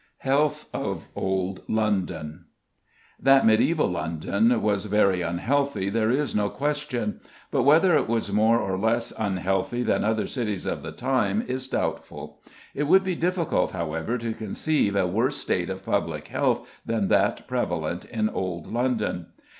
HEALTH OF OLD LONDON. That mediæval London was very unhealthy there is no question, but whether it was more or less unhealthy than other cities of the time is doubtful. It would be difficult, however, to conceive a worse state of public health than that prevalent in old London.